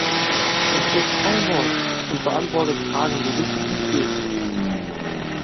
Er spricht kein Wort und beantwortet Fragen lediglich mit Gesten.